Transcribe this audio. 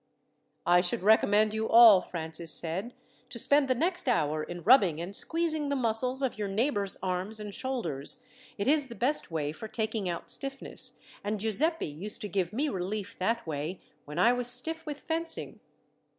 "I should recommend you all," Francis said, "to spend the next hour in rubbing and squeezing the muscles of your neighbours' arms and shoulders. It is the best way for taking out stiffness, and Giuseppi used to give me relief that way, when I was stiff with fencing."